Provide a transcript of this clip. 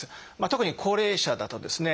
特に高齢者だとですね